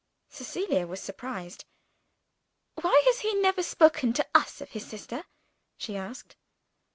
Cecilia was surprised. "Why has he never spoken to us of his sister?" she asked.